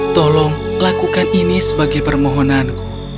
tolong lakukan ini sebagai permohonanku